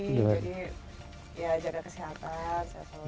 jadi jaga kesehatan